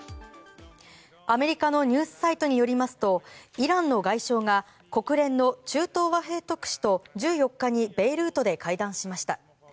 アメリカのニュースサイトによりますとイランの外相が国連の中東和平特使と１４日にベイルートで会談しました。